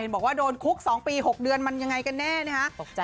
บอกว่าโดนคุก๒ปี๖เดือนมันยังไงกันแน่นะคะ